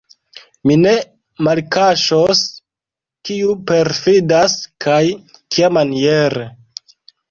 Mi ne malkaŝos, kiu perfidas, kaj kiamaniere.